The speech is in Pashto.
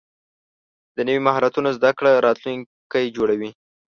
د نوي مهارتونو زده کړه راتلونکی جوړوي.